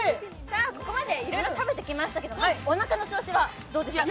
ここまでいろいろ食べてきましたけれどもおなかの調子はいかがでしょうか？